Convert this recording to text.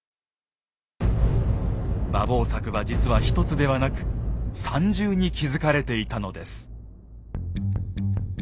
馬防柵は実は一つではなく３重に築かれていたのです。